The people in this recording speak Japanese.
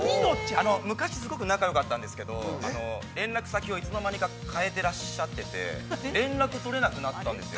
昔すごく仲よかったんですけど、連絡先いつの間にか変えてて連絡とれなくなったんですよ。